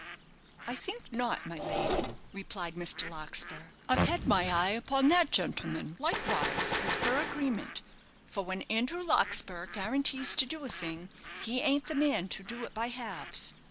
"I think not, my lady," replied Mr. Larkspur. "I've had my eye upon that gentleman likewise, as per agreement; for when Andrew Larkspur guarantees to do a thing, he ain't the man to do it by halves.